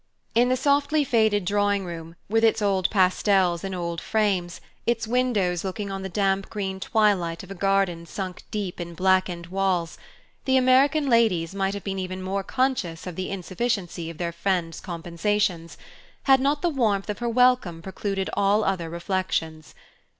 In the softly faded drawing room, with its old pastels in old frames, its windows looking on the damp green twilight of a garden sunk deep in blackened walls, the American ladies might have been even more conscious of the insufficiency of their friend's compensations, had not the warmth of her welcome precluded all other reflections.